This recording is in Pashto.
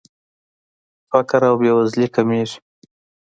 فقر او بېوزلي کمیږي.